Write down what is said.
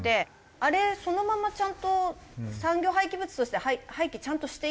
あれそのままちゃんと産業廃棄物として廃棄ちゃんとしていく。